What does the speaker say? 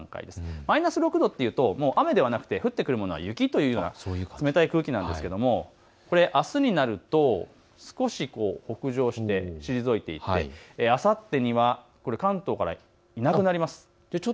マイナス６度は雨ではなく降ってくるものは雪というような冷たい空気ですがあすになると少し北上して退いていって、あさってには関東からいなくなります。